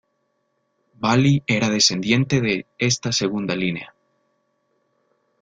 Bali era descendiente de esta segunda línea.